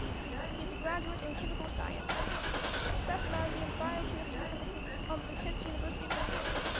He is a graduate in Chemical Sciences, specializing in Biochemistry from the Complutense University of Madrid.